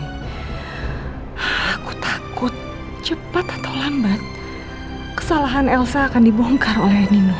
aku takut cepat atau lambat kesalahan elsa akan dibongkar oleh nino